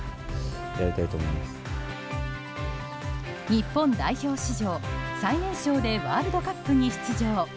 日本代表史上最年少でワールドカップに出場。